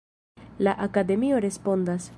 La Akademio respondas.